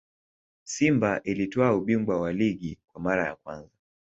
simba ilitwaa ubingwa wa ligi kwa mara ya kwanza